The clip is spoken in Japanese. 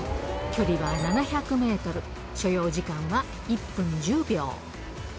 距離は７００メートル、所要時間は１分１０秒。